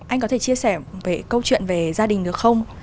anh có thể chia sẻ về câu chuyện về gia đình được không